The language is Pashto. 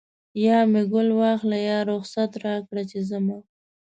یا مې ګل واخله یا رخصت راکړه چې ځمه